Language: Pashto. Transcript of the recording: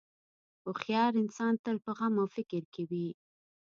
هوښیار انسان تل په غم او فکر کې وي.